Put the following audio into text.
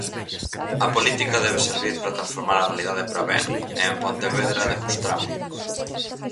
A política debe servir para transformar a realidade para ben, e en Pontevedra demostrámolo.